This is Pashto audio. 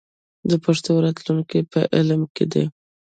د پښتو راتلونکی په علم کې دی.